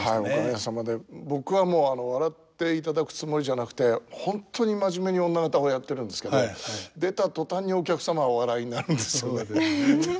僕は笑っていただくつもりじゃなくて本当に真面目に女方をやってるんですけど出た途端にお客様がお笑いになるんですよね。